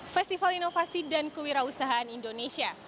festival inovasi dan kewirausahaan indonesia